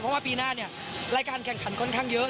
เพราะว่าปีหน้าเนี่ยรายการแข่งขันค่อนข้างเยอะ